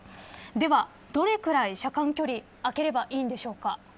では、どれくらい車間距離あければいいのでしょうか。